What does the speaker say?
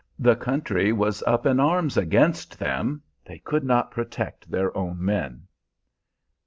The country was up in arms against them; they could not protect their own men.)